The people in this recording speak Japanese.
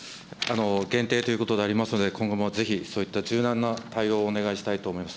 限定ということでありますので、今後もぜひそういった柔軟な対応をお願いしたいと思います。